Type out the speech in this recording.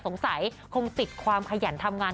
สงสัยคงติดความขยันทำงาน